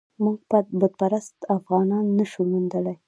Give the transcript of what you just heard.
موږ بت پرست افغانان نه شو موندلای.